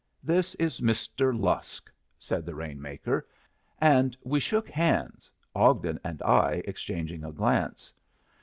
"This is Mr. Lusk," said the rain maker; and we shook hands, Ogden and I exchanging a glance.